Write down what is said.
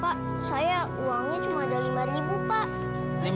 pak saya uangnya cuma ada lima ribu pak